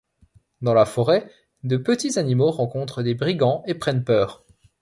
Dans la forêt, de petits animaux rencontrent des brigands et prennent peur.